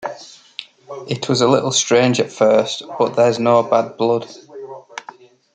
It was a little strange at first, but there's no bad blood.